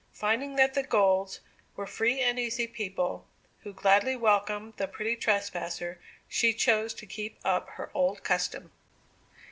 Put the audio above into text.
Finding that the Golds were free and easy people, who gladly welcomed the pretty trespasser, she chose to keep up her old custom.